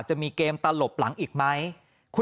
จะมีเกมตลบหลังอีกไหม